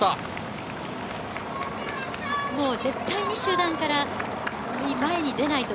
絶対に集団から前に出ないと。